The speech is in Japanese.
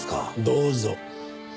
どうぞ。